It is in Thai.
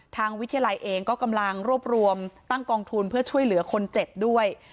ทางวิทยาลัยเองก็กำลังรวบรวมตั้งกองทุนเพื่อช่วยเหลือคนเจ็บด้วย